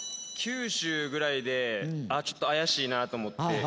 「九州」ぐらいでちょっと怪しいなと思って。